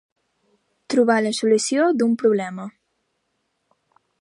Trobar la solució d'un problema.